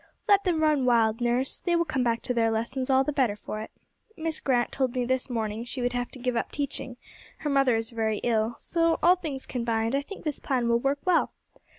Let them run wild, nurse, they will come back to their lessons all the better for it. Miss Grant told me this morning she would have to give up teaching her mother is very ill so, all things combined, I think this plan will work well.